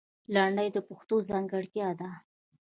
لندۍ د پښتو ځانګړتیا ده